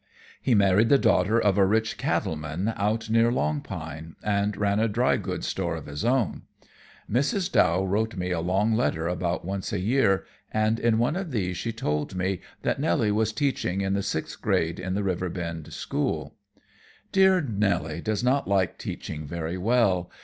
He married the daughter of a rich cattle man out near Long Pine, and ran a dry goods store of his own. Mrs. Dow wrote me a long letter about once a year, and in one of these she told me that Nelly was teaching in the sixth grade in the Riverbend school. "Dear Nelly does not like teaching very well.